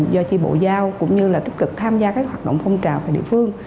do chi bộ giao cũng như là tích cực tham gia các hoạt động phong trào tại địa phương